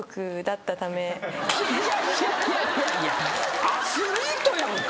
いやいやいやいやいやアスリートやんか。